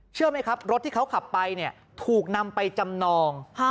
เชื่อไหมครับรถที่เขาขับไปเนี่ยถูกนำไปจำนอง